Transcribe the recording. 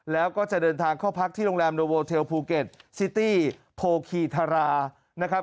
แล้วก็จะเดินทางเข้าพักที่โรงแรมโนโวเทลภูเก็ตซิตี้โพคีธารานะครับ